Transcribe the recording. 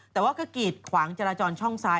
แต่ว่าก็กีดขวางจราจรช่องซ้าย